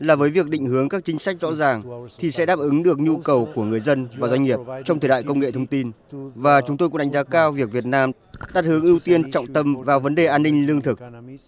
apec sẽ đáp ứng được nhu cầu của người dân và doanh nghiệp trong thời đại công nghệ thông tin và chúng tôi cũng đánh giá cao việc việt nam đặt hướng ưu tiên trọng tâm vào vấn đề an ninh lương thực